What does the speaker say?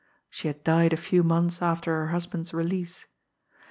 She had died a few months after her husband's release.